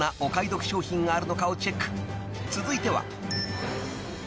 ［続いては］